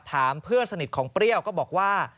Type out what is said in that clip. เพื่อนสนิทของเปรี้ยวก็บอกว่า